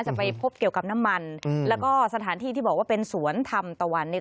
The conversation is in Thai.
จะไปพบเกี่ยวกับน้ำมันอืมแล้วก็สถานที่ที่บอกว่าเป็นสวนธรรมตะวันเนี่ย